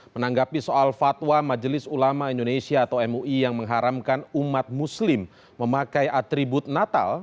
menanggapi soal fatwa majelis ulama indonesia atau mui yang mengharamkan umat muslim memakai atribut natal